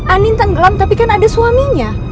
anin tenggelam tapi kan ada suaminya